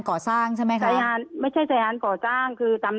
ก่อสร้างใช่ไหมคะยานไม่ใช่สายงานก่อสร้างคือตาม